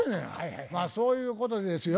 まあそういうことでですよ